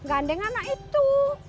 gandeng anak itu